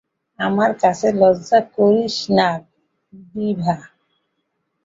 আমার কাছে লজ্জা করিস না বিভা!